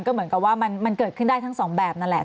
ก็เหมือนกับว่ามันเกิดขึ้นได้ทั้งสองแบบนั่นแหละ